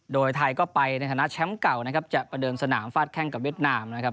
โดยไทยก็ไปในฐานะแชมป์เก่านะครับจะประเดิมสนามฟาดแข้งกับเวียดนามนะครับ